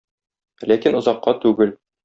Ләкин озакка түгел.